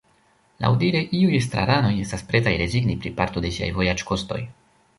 Laŭdire iuj estraranoj estas pretaj rezigni pri parto de siaj vojaĝkostoj.